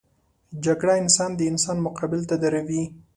جګړه انسان د انسان مقابل ته دروي